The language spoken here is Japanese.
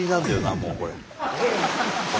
もうこれ。